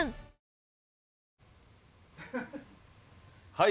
はい。